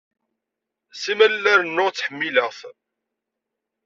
Simal la rennuɣ ttḥemmileɣ-t.